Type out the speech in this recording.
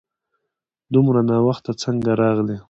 دومره ناوخته څنګه راغلې ؟